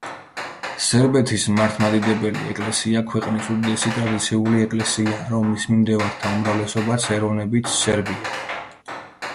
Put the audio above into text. სერბეთის მართლმადიდებელი ეკლესია ქვეყნის უდიდესი და ტრადიციული ეკლესიაა, რომლის მიმდევართა უმრავლესობაც ეროვნებით სერბია.